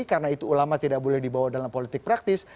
karena itu ulama tidak boleh dibawa dalam politik praktis